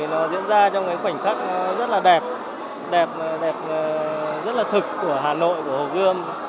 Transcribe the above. nó diễn ra trong cái khoảnh khắc rất là đẹp đẹp rất là thực của hà nội của hồ gươm